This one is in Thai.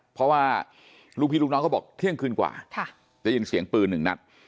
เพราะว่าลูกพี่ลูกน้องเขาบอกเที่ยงคืนกว่าได้ยินเสียงปืนหนึ่งนัด